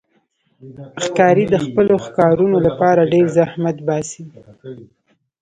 ښکاري د خپلو ښکارونو لپاره ډېر زحمت باسي.